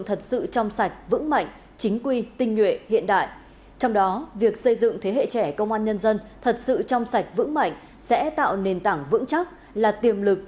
thật sự trong sạch vững mạnh chính quy tinh nguyện hiện đại đáp ứng yêu cầu nhiệm vụ trong tình hình mới